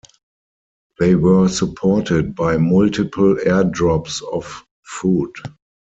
They were supported by multiple air drops of food.